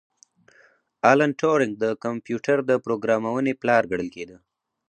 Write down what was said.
الن ټورینګ د کمپیوټر د پروګرامونې پلار ګڼل کیده